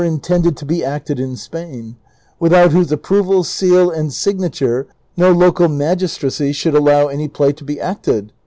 CHAPTER XLVIIL 413 tended to be acted in Spain ; without whose approval, seal, and signature, no local magistracy should allow any play to be acted.